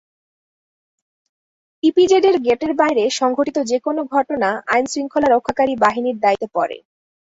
ইপিজেডের গেটের বাইরে সংঘটিত যেকোনো ঘটনা আইনশৃঙ্খলা রক্ষাকারী বাহিনীর দায়িত্বে পড়ে।